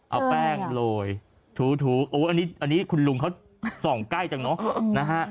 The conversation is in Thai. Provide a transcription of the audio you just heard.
เอาแป้งโรยถูโอ้อันนี้คุณลุงเขาส่องใกล้จังเนอะนะฮะ